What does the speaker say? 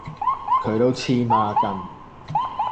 佢都黐孖根